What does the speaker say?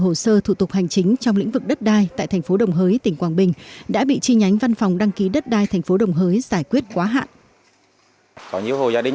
hồ sơ thủ tục hành chính trong lĩnh vực đất đai tại tp đồng hới tỉnh quảng bình đã bị chi nhánh văn phòng đăng ký đất đai tp đồng hới giải quyết quá hạn